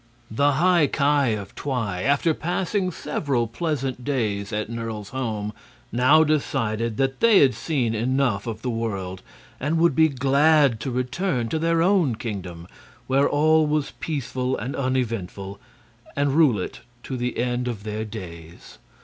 The High Ki of Twi, after passing several pleasant days at Nerle's home, now decided that they had seen enough of the world and would be glad to return to their own kingdom, where all was peaceful and uneventful, and rule it to the end of their days.